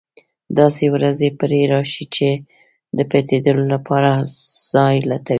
داسې ورځې به پرې راشي چې د پټېدلو لپاره ځای لټوي.